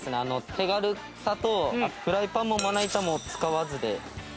手軽さとフライパンもまな板も使わずでいけるんですよ。